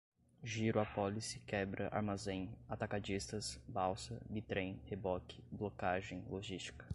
giro apólice quebra armazém atacadistas balsa bi-trem reboque blocagem logística